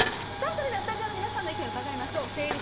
それではスタジオの皆さんの意見を伺いましょう。